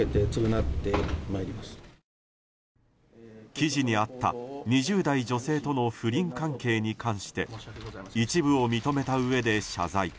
記事にあった２０代女性との不倫関係に関して一部を認めたうえで謝罪。